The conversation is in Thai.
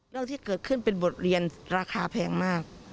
เรื่องที่เกิดขึ้นเป็นบทเรียนราคาแพงมาก